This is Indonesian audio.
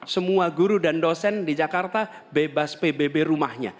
semua guru dan dosen di jakarta bebas pbb rumahnya